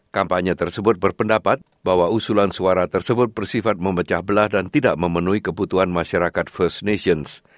kampanye tersebut berpendapat bahwa usulan suara tersebut bersifat memecah belah dan tidak memenuhi kebutuhan masyarakat first nations